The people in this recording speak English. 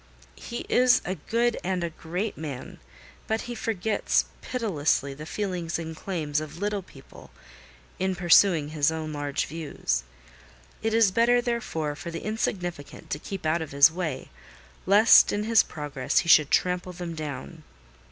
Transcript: "He is a good and a great man; but he forgets, pitilessly, the feelings and claims of little people, in pursuing his own large views. It is better, therefore, for the insignificant to keep out of his way, lest, in his progress, he should trample them down.